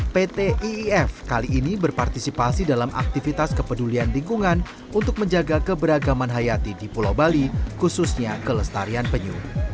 pt iif kali ini berpartisipasi dalam aktivitas kepedulian lingkungan untuk menjaga keberagaman hayati di pulau bali khususnya kelestarian penyu